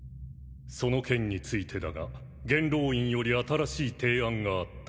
その件についてだが元老院より新しい提案があった。